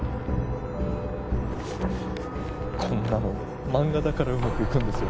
こんなの漫画だからうまくいくんですよ